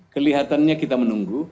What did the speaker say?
kelihatannya kita menunggu